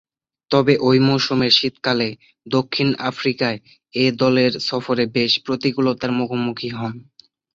তবে, ঐ মৌসুমের শীতকালে দক্ষিণ আফ্রিকায় এ দলের সফরে বেশ প্রতিকূলতার মুখোমুখি হন।